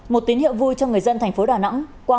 một tín hiệu vui cho người dân tp đà nẵng